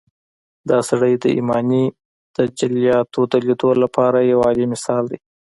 دا سړی د ايماني تجلياتود ليدو لپاره يو اعلی مثال دی.